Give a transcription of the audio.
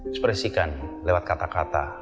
ekspresikan lewat kata kata